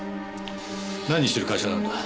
何してる会社なんだ？